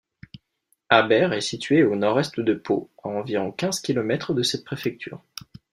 Abère est située au nord-est de Pau, à environ quinze kilomètres de cette préfecture.